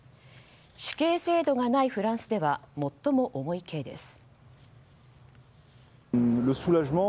死刑制度がないフランスでは最も重い刑です。